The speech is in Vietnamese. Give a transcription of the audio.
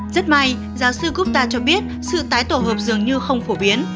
rất may giáo sư gupta cho biết sự tái tổ hợp dường như không phổ biến